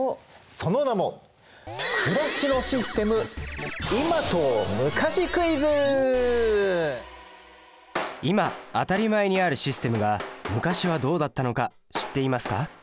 その名も今当たり前にあるシステムが昔はどうだったのか知っていますか？